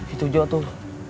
itu jo tuh